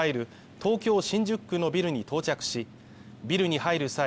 東京新宿区のビルに到着しビルに入る際